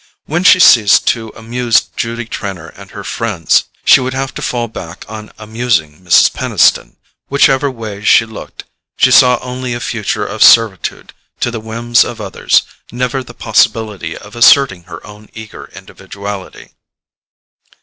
When she ceased to amuse Judy Trenor and her friends she would have to fall back on amusing Mrs. Peniston; whichever way she looked she saw only a future of servitude to the whims of others, never the possibility of asserting her own eager individuality.